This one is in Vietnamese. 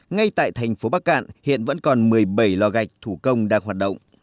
ngay tại thành phố bắc cạn hiện vẫn còn một mươi bảy lò gạch thủ công đang hoạt động